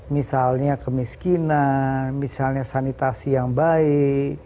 misalnya kemiskinan misalnya sanitasi yang baik